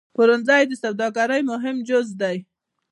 پلورنځی د سوداګرۍ مهم جز دی.